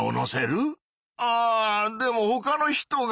あでもほかの人が。